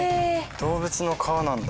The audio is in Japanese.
動物の革なんだ。